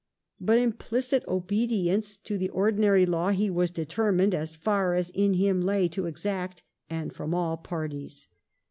But implicit obedience to the ordinary law he was deter mined, as far as in him lay, to exact — and from all parties.